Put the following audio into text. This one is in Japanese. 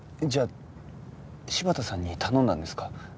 じゃあ芝田さんに頼んだんですか？